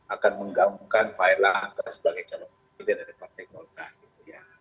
akan menggabungkan pak erlaka sebagai calon presiden dari partai golkar